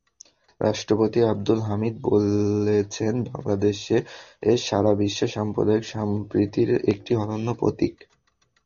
রাষ্ট্রপতি আবদুল হামিদ বলেছেন, বাংলাদেশ সারা বিশ্বে সাম্প্রদায়িক সম্প্রীতির একটি অনন্য প্রতীক।